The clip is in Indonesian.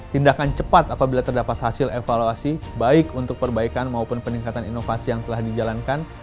tindakan cepat apabila terdapat hasil evaluasi baik untuk perbaikan maupun peningkatan inovasi yang telah dijalankan